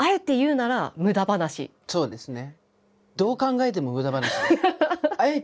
そうですね。